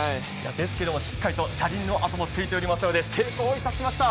ですけど、しっかりと車輪のあともついておりますので成功いたしました。